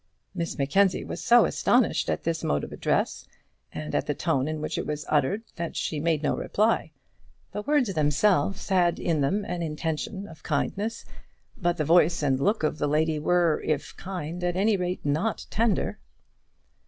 Miss Mackenzie was so astonished at this mode of address, and at the tone in which it was uttered, that she made no reply to it. The words themselves had in them an intention of kindness, but the voice and look of the lady were, if kind, at any rate not tender.